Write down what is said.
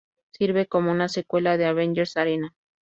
Sirve como una secuela de Avengers Arena.